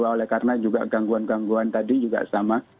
oleh karena juga gangguan gangguan tadi juga sama